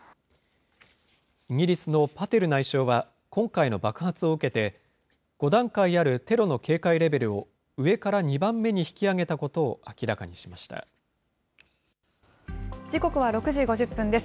イギリスのパテル内相は、今回の爆発を受けて、５段階あるテロの警戒レベルを、上から２番目に引時刻は６時５０分です。